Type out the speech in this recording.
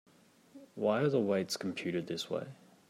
Why are the weights computed this way?